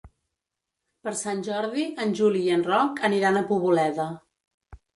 Per Sant Jordi en Juli i en Roc aniran a Poboleda.